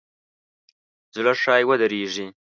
زړه ښایي ودریږي.